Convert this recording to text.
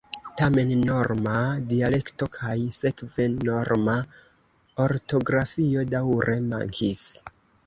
Tamen, norma dialekto kaj sekve norma ortografio daŭre mankis.